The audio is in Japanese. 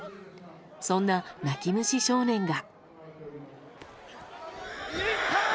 そんな泣き虫少年が。